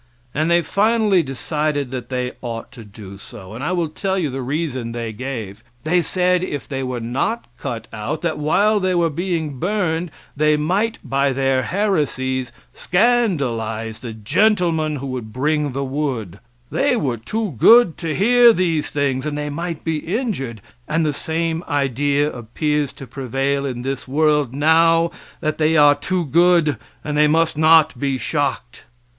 And they finally decided that they ought to do so, and I will tell you the reason they gave: They said if they were not cut out that while they were being burned, they might, by their heresies, scandalize the gentleman who would bring the wood; they were too good to hear these things and they might be injured; and the same idea appears to prevail in this world now that they are too good and they must not be shocked.